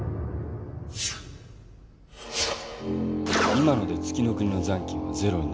今ので月ノ国の残金はゼロになった。